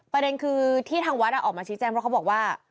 ประเด็นคือที่ทางวัดออกมาชี้แจ้งเพราะเขาบอกว่า